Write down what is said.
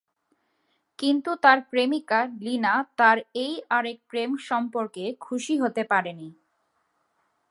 কিন্তু তার প্রেমিকা লিনা তার এই আরেক প্রেম সম্পর্কে খুশি হতে পারেনি।